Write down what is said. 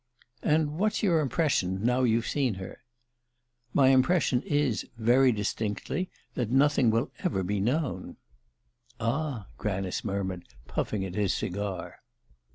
"And what's your impression, now you've seen her?" "My impression is, very distinctly, that nothing will ever be known." "Ah ?" Granice murmured, puffing at his cigar.